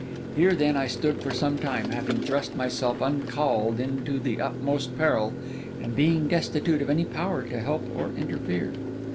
Here, then, I stood for some time, having thrust myself uncalled into the utmost peril, and being destitute of any power to help or interfere.